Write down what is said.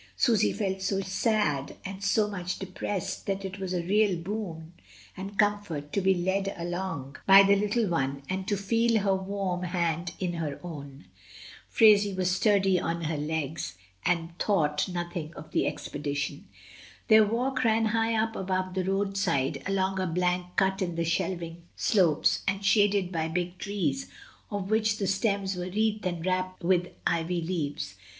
Susy felt so sad and so much depressed that it was a real boon and comfort to be led along "TEIE COLONEL GOES HOME.*' 1 3 by the little one and to feel her warm hand in her own. Phraisie was sturdy on her legs, and thought nothing of the expedition. Their walk ran high up above the roadside, along a bank cut in the shelving slopes, and shaded by big trees, of which the stems were wreathed and wrapped with ivy leaves.